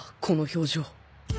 この表情